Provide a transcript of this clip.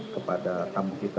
kepada tamu kita